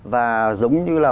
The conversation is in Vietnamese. và giống như là